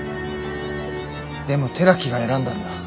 でも寺木が選んだんだ。